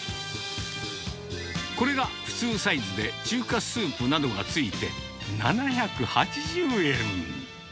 これが普通サイズで、中華スープなどが付いて７８０円。